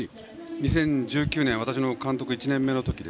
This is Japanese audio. ２０１９年私の監督１年目の時